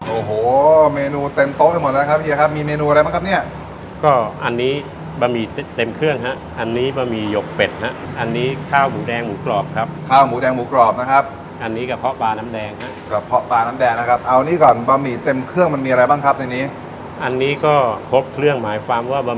โอ้โหเมนูเต็มโต๊ะไปหมดแล้วครับเฮียครับมีเมนูอะไรบ้างครับเนี่ยก็อันนี้บะหมี่เต็มเครื่องฮะอันนี้บะหมี่หยกเป็ดฮะอันนี้ข้าวหมูแดงหมูกรอบครับข้าวหมูแดงหมูกรอบนะครับอันนี้กระเพาะปลาน้ำแดงฮะกระเพาะปลาน้ำแดงนะครับเอานี่ก่อนบะหมี่เต็มเครื่องมันมีอะไรบ้างครับในนี้อันนี้ก็ครบเครื่องหมายความว่าบะ